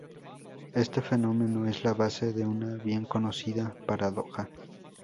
Este fenómeno es la base de una bien conocida "paradoja".